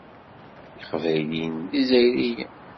Iqbayliyen d Izzayriyen.